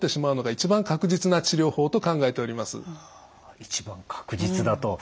一番確実だと。